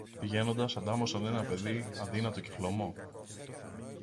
Πηγαίνοντας αντάμωσαν ένα παιδί αδύνατο και χλωμό